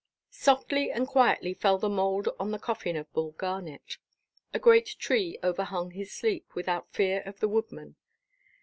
Softly and quietly fell the mould on the coffin of Bull Garnet. A great tree overhung his sleep, without fear of the woodman.